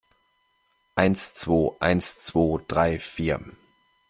Eins zwo, eins zwo drei vier!